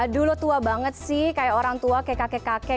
dulu tua banget sih kayak orang tua kayak kakek kakek